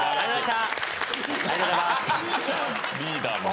リーダーも。